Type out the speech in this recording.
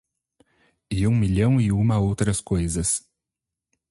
E um milhão e uma outras coisas.